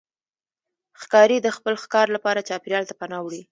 ښکاري د خپل ښکار لپاره چاپېریال ته پناه وړي.